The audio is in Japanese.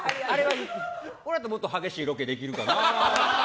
俺やったらもっと激しいロケできるなとか。